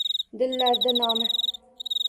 Dillarda nomi